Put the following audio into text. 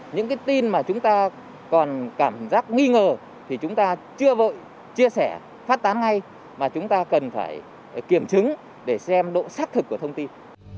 những cái tin mà chúng ta còn cảm giác nghi ngờ thì chúng ta chưa vội chia sẻ phát tán ngay mà chúng ta cần phải kiểm chứng để xem độ xác thực của thông tin